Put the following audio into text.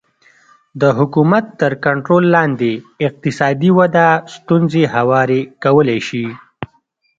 د حکومت تر کنټرول لاندې اقتصادي وده ستونزې هوارې کولی شي